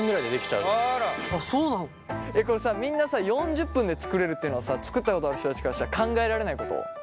これさみんなさ４０分で作れるっていうのはさ作ったことある人たちからしたら考えられないこと？